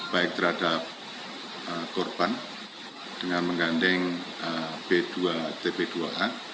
baik terhadap korban dengan menggandeng b dua tp dua a